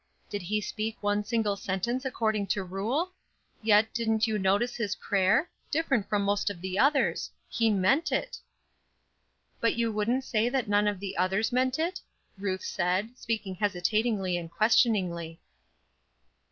Did he speak one single sentence according to rule? Yet, didn't you notice his prayer? Different from most of the others. He meant it." "But you wouldn't say that none of the others meant it?" Ruth said, speaking hesitatingly and questioningly.